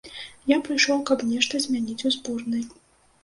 Я прыйшоў, каб нешта змяніць у зборнай.